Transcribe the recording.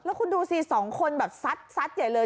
แล้วคุณดูสิสองคนแบบซัดใหญ่เลย